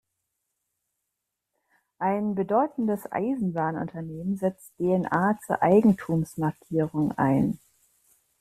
Ein bedeutendes Eisenbahnunternehmen setzt D N A zur Eigentumsmarkierung ein.